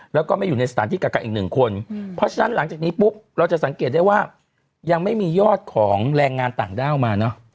แล้วก็ไม่อยู่ในสถานที่กักกันอีกหนึ่งคนเพราะฉะนั้นหลังจากนี้ปุ๊บเราจะสังเกตได้ว่ายังไม่มียอดของแรงงานต่างด้าวมาเนอะ